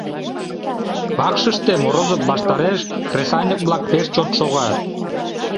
...Вакшыште Морозов ваштареш кресаньык-влак пеш чот шогат.